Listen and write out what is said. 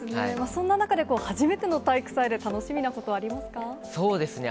そんな中で、初めての体育祭で楽しみなことありますか？